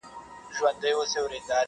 هغه د شنې ویالې پر څنډه شنه ولاړه ونه،